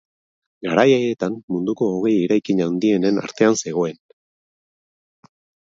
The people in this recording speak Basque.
Garai haietan munduko hogei eraikin handienen artean zegoen.